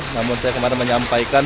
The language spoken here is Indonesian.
namun saya kemarin menyampaikan